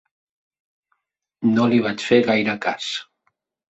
No li vaig fer gaire cas.